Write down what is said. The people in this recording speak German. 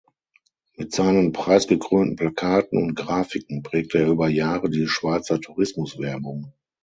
Mit seinen preisgekrönten Plakaten und Grafiken prägte er über Jahre die Schweizer Tourismuswerbung.